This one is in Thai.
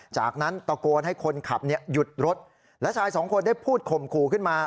จากนั้นตะโกนให้คนขับหยุดรถและชายสองคนได้พูดข่มขู่ขึ้นมา